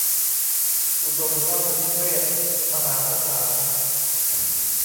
อุดมราชนิเวศน์ มหาสถาน